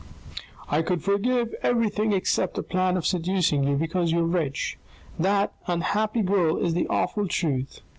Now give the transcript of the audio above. " I could forgive everything except the plan of seducing you because you are rich. That, unhappy girl, is the awful truth.